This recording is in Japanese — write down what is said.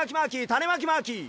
たねまきマーキー！